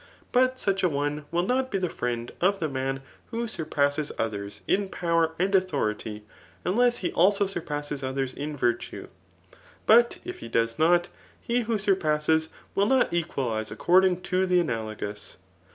But such a one will not be the friend of the man who surpasses others in power and authority, unless he also surpasses others in virtue ; but if he does not, he who surpasses will not equalize according to the analogous.